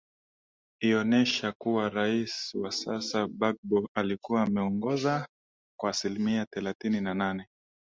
ioonesha kuwa rais wa sasa bagbo alikuwa ameongoza kwa aslimia thelathini na nane